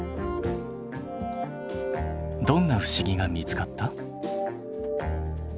どんな不思議が見つかった？